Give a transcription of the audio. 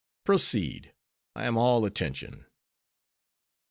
"Proceed, I am all attention."